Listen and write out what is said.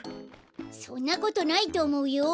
そんなことないとおもうよ。